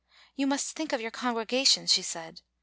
"You must think of your congregation," she said.